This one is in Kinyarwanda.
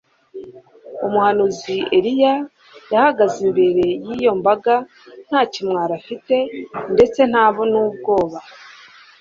Umuhanuzi Eliya yahagaze imbere yiyo mbaga nta kimwaro afite ndetse nta nubwoba